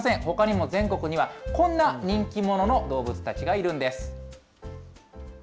ほかにも全国には、こんな人気者の動物たちがいるんです。